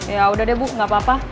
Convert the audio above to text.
ya udah deh bu gak apa apa